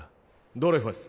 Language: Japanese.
ドレファス